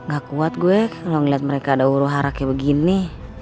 gak kuat gue kalau ngeliat mereka ada huru hara kayak begini